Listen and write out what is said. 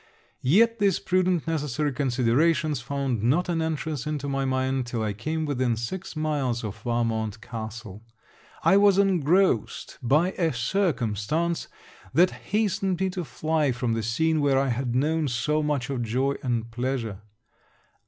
Yet these prudent necessary considerations found not an entrance into my mind till I came within six miles of Valmont castle. I was engrossed by a circumstance that hastened me to fly from the scene where I had known so much of joy and pleasure.